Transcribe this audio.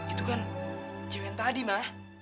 itu kan cewek yang tadi ma